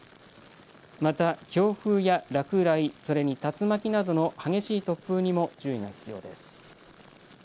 また強風や落雷それに竜巻などの激しい突風にも注意が必要です。